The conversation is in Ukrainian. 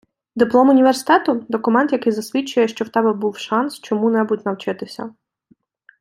Диплом університету – документ, який засвідчує, що в тебе був шанс чому-небудь навчитися.